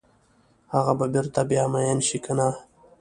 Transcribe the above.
هغه به بیرته بیا میین شي کنه؟